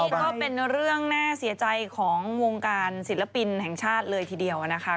นี่ก็เป็นเรื่องน่าเสียใจของวงการศิลปินแห่งชาติเลยทีเดียวนะคะ